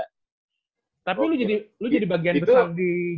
tapi lu jadi bagian besar di